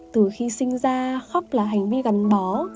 từ khi sinh ra khóc là hành vi gắn bó